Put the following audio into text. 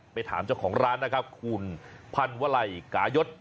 ไปถามเจ้าของร้านนะครับคุณพันวลัยกายศ